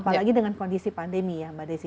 apalagi dengan kondisi pandemi ya mbak desi